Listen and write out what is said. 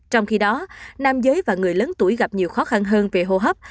trong khi đó nam giới và người lớn tuổi gặp nhiều khó khăn hơn về hô hấp